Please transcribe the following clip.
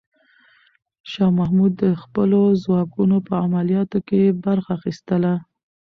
شاه محمود د خپلو ځواکونو په عملیاتو کې برخه اخیستله.